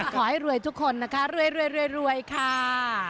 ขอให้รวยทุกคนนะคะรวยค่ะ